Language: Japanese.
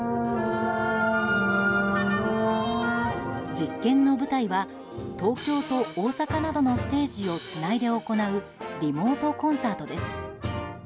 実験の舞台は東京と大阪などのステージをつないで行うリモートコンサートです。